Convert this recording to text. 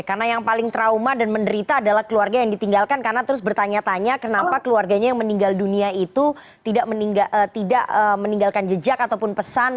karena yang paling trauma dan menderita adalah keluarga yang ditinggalkan karena terus bertanya tanya kenapa keluarganya yang meninggal dunia itu tidak meninggalkan jejak ataupun pesan